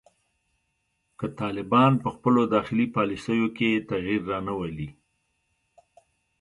که طالبان په خپلو داخلي پالیسیو کې تغیر رانه ولي